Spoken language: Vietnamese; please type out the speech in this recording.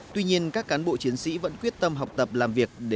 tuy nhiên các cán bộ chiến sĩ vẫn quyết tâm học tập làm việc